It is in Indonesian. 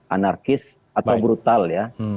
anarkis atau brutal ya